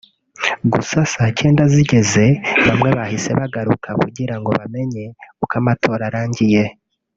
gusa saa cyenda zigeze bamwe bahise bagaruka kugira ngo bamenye uko amatora arangiye